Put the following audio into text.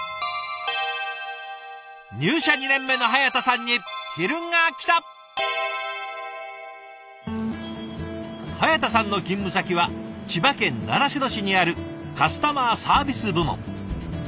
入社２年目の早田さんの勤務先は千葉県習志野市にあるカスタマーサービス部門。